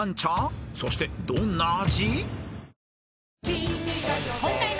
［そしてどんな味？］